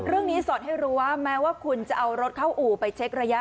สอนให้รู้ว่าแม้ว่าคุณจะเอารถเข้าอู่ไปเช็กระยะ